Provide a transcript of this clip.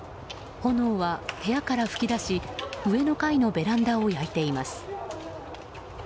炎は部屋から噴き出し上の階のベランダを焼いています。